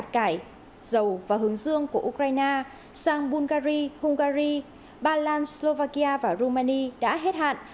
cải dầu và hướng dương của ukraine sang bulgari hungary ba lan slovakia và rumani đã hết hạn